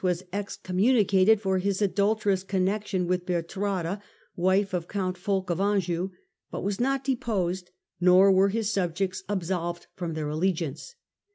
was excommunicated for his adulterous connexion with Bertrada, wife of count Fulk of Anjou, but was not deposed, nor were his subjects I absolved from their allegiance.